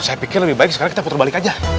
saya pikir lebih baik sekarang kita putar balik aja